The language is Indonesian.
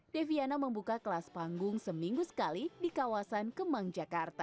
deviana membuka kelas panggung seminggu sekali di kawasan kemang jakarta